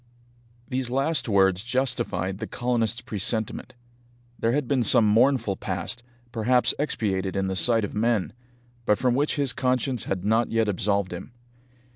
These last words justified the colonists' presentiment. There had been some mournful past, perhaps expiated in the sight of men, but from which his conscience had not yet absolved him.